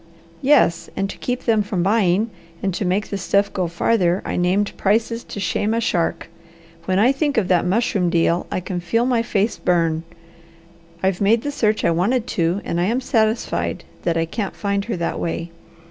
"Yes, and to keep them from buying, and to make the stuff go farther, I named prices to shame a shark. When I think of that mushroom deal I can feel my face burn. I've made the search I wanted to, and I am satisfied that I can't find her that way.